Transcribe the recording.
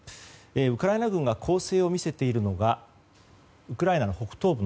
ウクライナ軍が攻勢を見せているのがウクライナの北東部